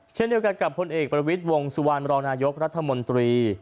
เช่นเดียวกันกับพลเอกประวิทย์วงสุวรรณรองนายกรัฐมนตรี